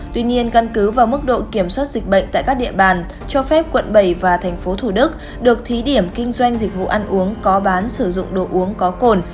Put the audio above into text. tuy nhiên căn cứ vào mức độ kiểm soát dịch bệnh tại các địa bàn cho phép quận bảy và thành phố thủ đức được thí điểm kinh doanh dịch vụ ăn uống có bán sử dụng đồ uống có cồn